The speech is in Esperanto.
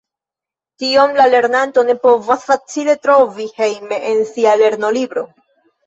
Tion la lernanto ne povas facile trovi hejme en sia lernolibro.